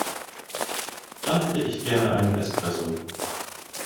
Dann hätte ich gerne einen Espresso.